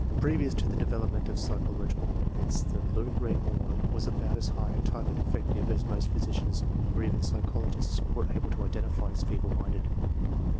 Pre vious to the development of psychological methods the low grade moron was about as high a type of defective as most physicians or even psychologists were able to identify as feeble minded.